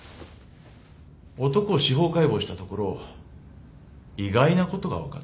男を司法解剖したところ意外なことが分かったんです。